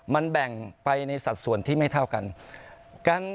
มันแบ่งไปในสัดส่วนที่ไม่เท่ากัน